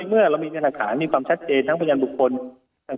เมื่อเรามีวันหารความมีความชัดเจนทั้งพจาระบุคคลพล